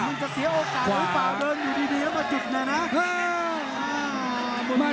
มันจะเสียโอกาสหรือเปล่าเดินอยู่ดีแล้วมาจุดเลยนะ